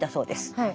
はい。